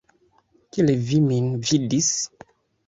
Kiel vi min vidis?